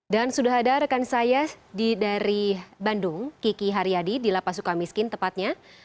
dan sudah ada rekan saya dari bandung kiki haryadi di lapa sukamiskin tepatnya